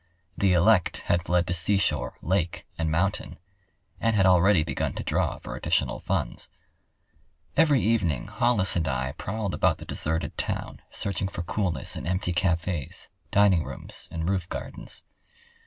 The elect had fled to seashore, lake, and mountain, and had already begun to draw for additional funds. Every evening Hollis and I prowled about the deserted town searching for coolness in empty cafes, dining rooms, and roofgardens.